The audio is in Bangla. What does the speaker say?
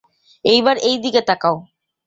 একবার এইদিকে তাকাও!